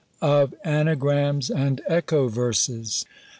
OF ANAGRAMS AND ECHO VERSES.